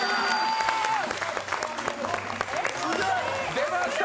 出ました！